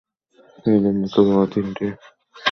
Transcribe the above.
তাদের দাম্পত্য জীবনে তিনটি সন্তান রয়েছে।